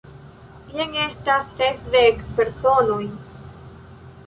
Jen estas sesdek personoj!